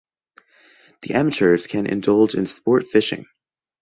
The amateurs can indulge in sport fishing.